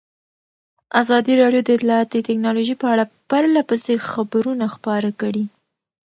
ازادي راډیو د اطلاعاتی تکنالوژي په اړه پرله پسې خبرونه خپاره کړي.